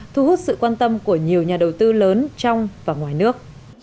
thu hút sự quan tâm của nhiều nhà đầu tư lớn trong và ngoài nước